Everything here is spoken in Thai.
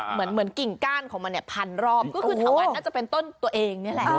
เหมือนกิ่งก้านของมันเนี่ยพันรอบก็คือเถาวันน่าจะเป็นต้นตัวเองนี่แหละ